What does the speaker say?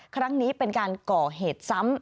ครั้งนี้เป็นการก่อเหตุซ้ำ